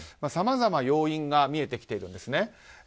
さまざま要因が見えてきているんですね。